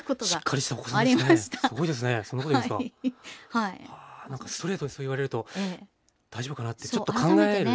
はあ何かストレートにそう言われると「大丈夫かな？」ってちょっと考える。